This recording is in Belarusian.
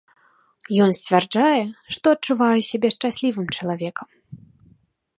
Ён сцвярджае, што адчувае сябе шчаслівым чалавекам.